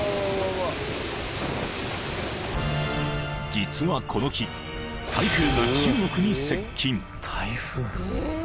［実はこの日台風が中国に接近］